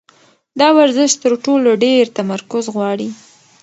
دا ورزش تر ټولو ډېر تمرکز غواړي.